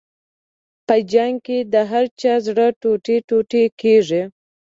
په جنګ کې د هر چا زړه ټوټې ټوټې کېږي.